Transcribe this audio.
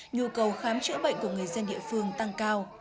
nhu cầu khám chữa bệnh của người dân địa phương tăng cao